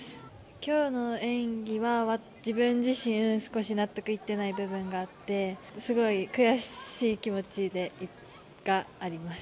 今日の演技は自分自身、少し納得いってない部分があってすごい悔しい気持ちがあります。